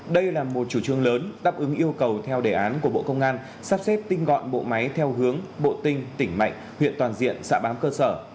đây là một chủ trương lớn đáp ứng yêu cầu theo đề án của bộ công an sắp xếp tinh gọn bộ máy theo hướng bộ tinh tỉnh mạnh huyện toàn diện xã bám cơ sở